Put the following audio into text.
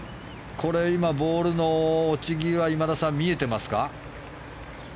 ボールの落ち際今田さん、見えてますか？